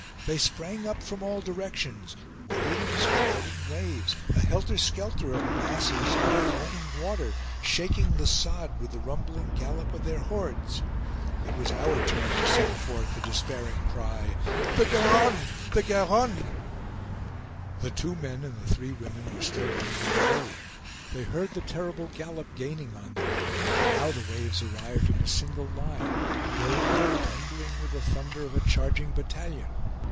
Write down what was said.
They sprang up from all directions, waves crowding waves, a helter skelter of masses of foaming water, shaking the sod with the rumbling gallop of their hordes. It was our turn to send forth the despairing cry: "The Garonne! The Garonne!" The two men and the three women were still running on the road. They heard the terrible gallop gaining on them. Now the waves arrived in a single line, rolling, tumbling with the thunder of a charging battalion.